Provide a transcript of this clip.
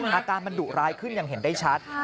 อาการมันดุร้ายขึ้นอย่างเห็นได้ชัด